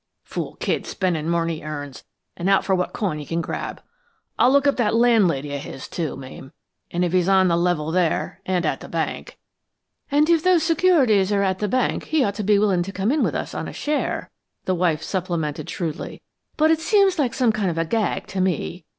Fool kid spendin' more'n he earns and out for what coin he can grab. I'll look up that landlady of his, too, Mame; and if he's on the level there, and at the bank " "And if those securities are at the bank, he ought to be willin' to come in with us on a share," the wife supplemented shrewdly. "But it seems like some kind of a gag to me.